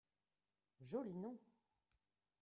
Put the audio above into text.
Joli nom